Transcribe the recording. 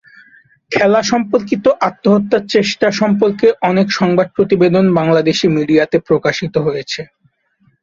খেলা সম্পর্কিত আত্মহত্যার চেষ্টা সম্পর্কে অনেক সংবাদ প্রতিবেদন বাংলাদেশী মিডিয়াতে প্রকাশিত হয়েছে।